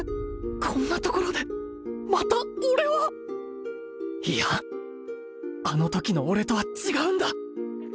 こんなところでまた俺はいやあのときの俺とは違うんだ！